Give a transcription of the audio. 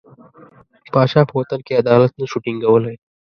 پاچا په وطن کې عدالت نه شو ټینګولای.